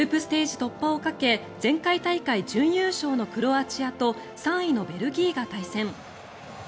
突破をかけ前回大会準優勝のクロアチアと３位のベルギーが対戦。